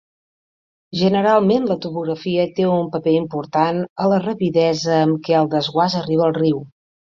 Generalment, la topografia té un paper important a la rapidesa amb què el desguàs arriba al riu.